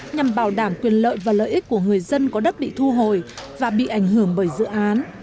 nhằm bảo đảm quyền lợi và lợi ích của người dân có đất bị thu hồi và bị ảnh hưởng bởi dự án